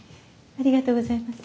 ありがとうございます。